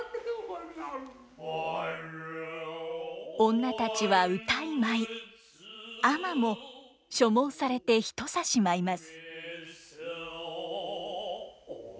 女たちは謡い舞い尼も所望されてひとさし舞います。